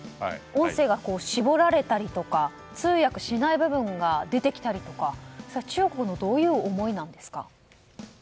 音声が絞られたりとか通訳しない部分が出てきたりとか中国のどういう思いなんですか。